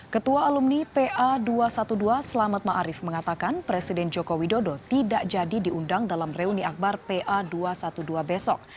ketua alumni pa dua ratus dua belas selamat ⁇ maarif ⁇ mengatakan presiden joko widodo tidak jadi diundang dalam reuni akbar pa dua ratus dua belas besok